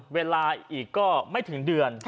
เวลาอีกก็ไม่ถึงเดือน